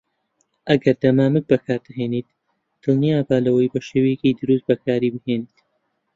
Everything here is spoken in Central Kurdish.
ئەگەر دەمامک بەکاردەهێنیت، دڵنیابە لەوەی بەشێوەیەکی دروست بەکاریبهێنیت.